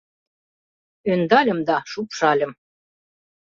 Ӧндальым да шупшальым.